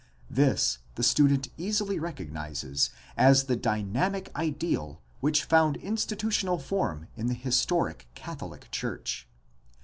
This the student easily recognizes as the dynamic ideal which found institutional form in the historic Catholic church.